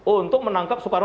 untuk menangkap soekarno